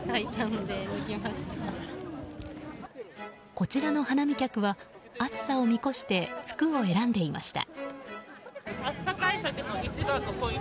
こちらの花見客は暑さを見越して服を選んでいました。